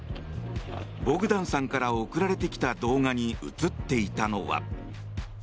ボグダンさんから送られてきた動画に映っていたのは。